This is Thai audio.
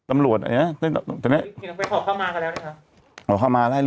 ตำรวจไง